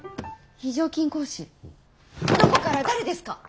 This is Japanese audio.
非常勤講師どこから誰ですか？